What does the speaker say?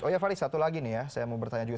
oh ya farid satu lagi nih ya saya mau bertanya juga